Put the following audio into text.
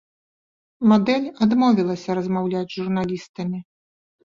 Мадэль адмовілася размаўляць з журналістамі.